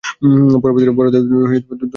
পরবর্তীতে বড়দের দলের খেলার সুযোগ পান।